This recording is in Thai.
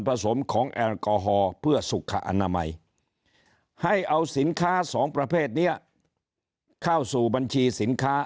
สมของแอลกอฮอล์เพื่อสุขอนามัยให้เอาสินค้าสองประเภทนี้เข้าสู่บัญชีสินค้า